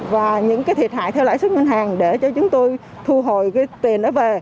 và những cái thiệt hại theo lãi suất ngân hàng để cho chúng tôi thu hồi cái tiền đó về